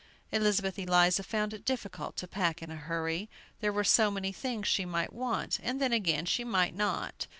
Elizabeth Eliza found it difficult to pack in a hurry; there were so many things she might want, and then again she might not.